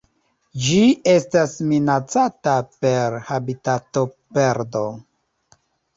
Ĝi estas minacata per habitatoperdo.